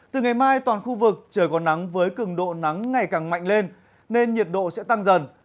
từ ngày mai toàn khu vực trời có nắng với cường độ nắng ngày càng mạnh lên nên nhiệt độ sẽ tăng dần